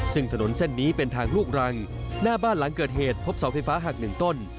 ซึ่งถนนเส้นนี้เป็นทางลูกรังหน้าบ้านหลังเกิดเหตุพบเสาไฟฟ้าหักหนึ่งต้น